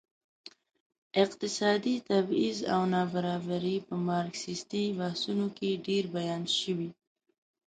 اقتصادي تبعيض او نابرابري په مارکسيستي بحثونو کې ډېر بیان شوي.